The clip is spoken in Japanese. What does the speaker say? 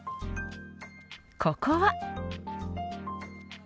ここは。